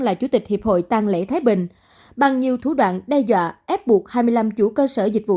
là chủ tịch hiệp hội tăng lễ thái bình bằng nhiều thủ đoạn đe dọa ép buộc hai mươi năm chủ cơ sở dịch vụ